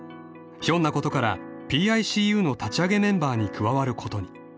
［ひょんなことからＰＩＣＵの立ち上げメンバーに加わることに］